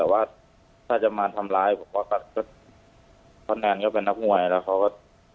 แต่ว่าถ้าจะมาทำร้ายผมว่าก็เพราะแนนก็เป็นนักมวยแล้วเขาก็